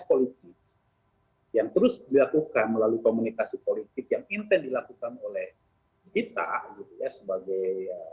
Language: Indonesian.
politik yang terus dilakukan melalui komunikasi politik yang intent dilakukan oleh kita sebagai